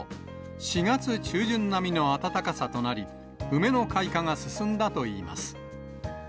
４月中旬並みの暖かさとなり、梅の開花が進んだといいます。